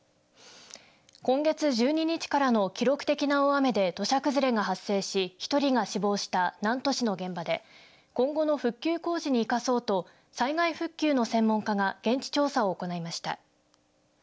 今月１２日からの記録的な大雨で土砂崩れが発生し１人が死亡した南砺市の現場で今後の復旧工事に生かそうと災害復旧の専門家が現地調査を行いました。